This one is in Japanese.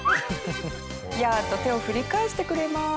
「やあ！」と手を振り返してくれます。